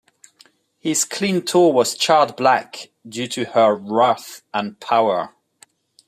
His clean toe was charred black due to her wrath and power.